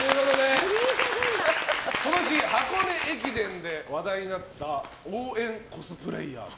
今年、箱根駅伝で話題になった応援コスプレーヤーと。